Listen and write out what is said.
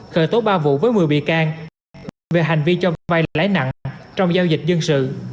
khởi tố ba vụ với một mươi bị can về hành vi cho vai lãi nặng trong giao dịch dân sự